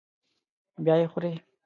بیا یې خوري.